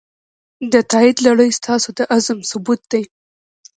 د تایید لړۍ ستاسو د عزم ثبوت دی.